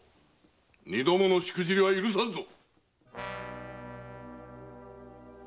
二度ものしくじりは許さんぞ！